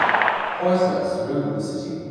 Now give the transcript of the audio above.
Hoysalas ruled the city.